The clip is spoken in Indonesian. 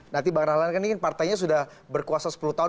nanti bang rahlan kan ingin partainya sudah berkuasa sepuluh tahun